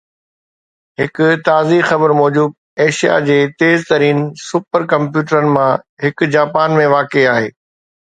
هڪ تازي خبر موجب ايشيا جي تيز ترين سپر ڪمپيوٽرن مان هڪ جاپان ۾ واقع آهي